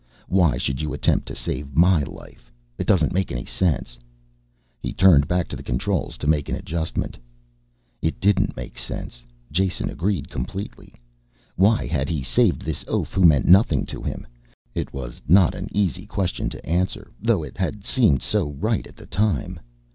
Why should you attempt to save my life? It does not make sense." He turned back to the controls to make an adjustment. [Illustration: Mikah Samon] It didn't make sense, Jason agreed completely. Why had he saved this oaf who meant nothing to him? It was not an easy question to answer, though it had seemed so right at the time.